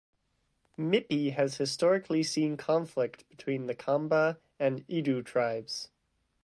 Mipi has historically seen conflict between the Khamba and Idu tribes.